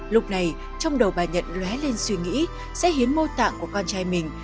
lúc này trong đầu bà nhận lé lên suy nghĩ sẽ hiến mô tạng của con trai mình